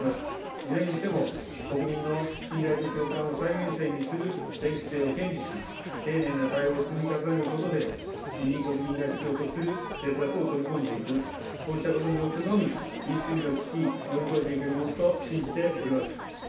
いずれにしても国民の信頼と共感を最優先にする政治姿勢を堅持し、丁寧な対応を積み重ねることで、真に国民が必要とする政策を取り込んでいく、こうしたことによってのみ、民主主義の危機、乗り越えていけるものと信じております。